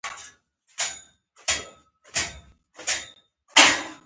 اخلاصمن وي او په خلکو یې ښه پیرزو کېږي.